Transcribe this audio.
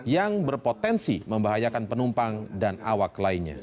yang berpotensi membahayakan penumpang dan awak lainnya